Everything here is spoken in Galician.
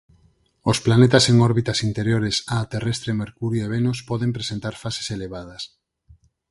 Os planetas en órbitas interiores á terrestre Mercurio e Venus poden presentar fases elevadas.